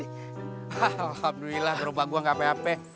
alhamdulillah gerubah gue gak apa apa